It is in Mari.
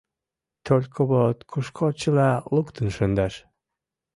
Только вот кушко чыла луктын шындаш?